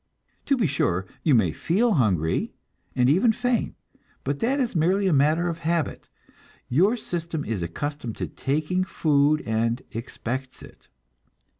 To be sure, you may feel hungry, and even faint, but that is merely a matter of habit; your system is accustomed to taking food and expects it.